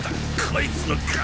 こいつの体！